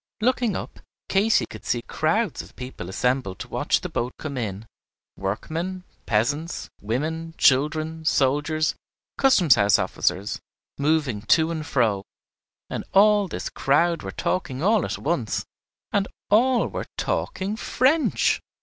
Looking up, Katy could see crowds of people assembled to watch the boat come in, workmen, peasants, women, children, soldiers, custom house officers, moving to and fro, and all this crowd were talking all at once and all were talking French!